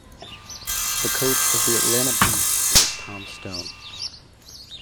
The coach of the Atlanta Beat was Tom Stone.